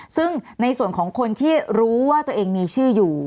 ซึ่งในส่วนของคนที่รู้ว่าตัวเองมีชื่ออยู่